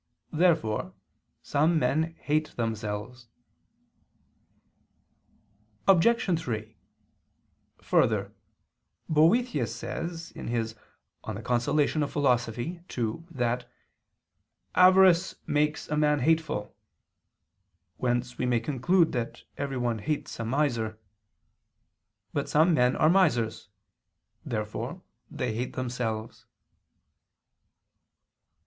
Therefore some men hate themselves. Obj. 3: Further, Boethius says (De Consol. ii) that "avarice makes a man hateful"; whence we may conclude that everyone hates a miser. But some men are misers. Therefore they hate themselves.